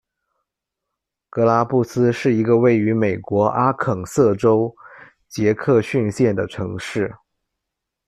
格拉布斯是一个位于美国阿肯色州杰克逊县的城市。